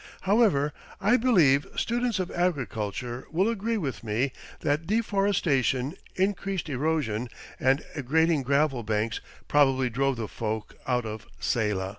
However, I believe students of agriculture will agree with me that deforestation, increased erosion, and aggrading gravel banks probably drove the folk out of Saylla.